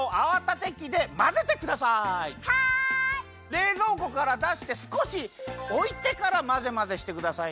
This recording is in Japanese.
れいぞうこからだしてすこしおいてからまぜまぜしてくださいね。